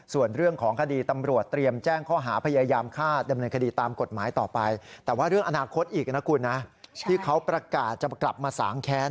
ส่วนเรื่องของคดีตำรวจเตรียมแจ้งข้อหา